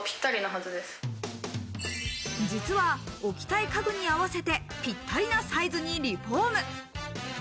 実は、置きたい家具に合わせてぴったりなサイズにリフォーム。